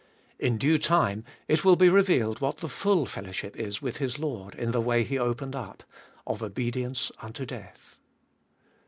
In due time it will be re vealed what the full fellowship is with His Lord in the way He opened up, of obedience unto death.